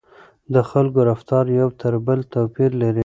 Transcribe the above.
د خلکو رفتار یو تر بل توپیر لري.